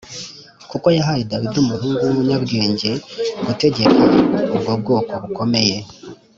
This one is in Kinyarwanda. kuko yahaye Dawidi umuhungu w’umunyabwenge gutegeka ubwo bwoko bukomeye